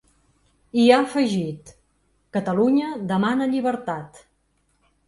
I ha afegit: Catalunya demana llibertat.